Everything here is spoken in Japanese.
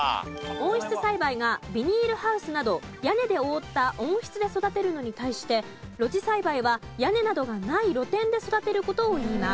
温室栽培がビニールハウスなど屋根で覆った温室で育てるのに対して露地栽培は屋根などがない露天で育てる事をいいます。